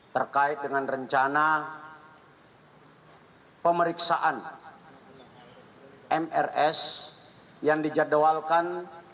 terkait dengan penyerangan yang dilakukan oleh anggota kepolisian yang sedang menjalani tugas penyelidikan